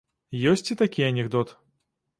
Ёсць і такі анекдот.